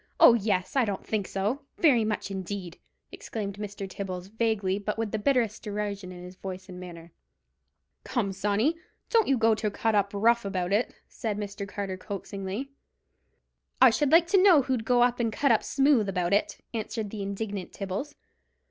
Oh, yes! I don't think so; very much indeed," exclaimed Mr. Tibbles, vaguely, but with the bitterest derision in his voice and manner. "Come, Sawney, don't you go to cut up rough about it," said Mr. Carter, coaxingly. "I should like to know who'd go and cut up smooth about it?" answered the indignant Tibbles.